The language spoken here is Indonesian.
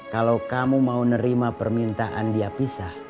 kalau kamu mau nerima permintaan dia pisah